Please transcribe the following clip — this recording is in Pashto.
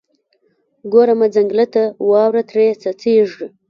ګورمه ځنګله ته، واوره ترې څڅیږي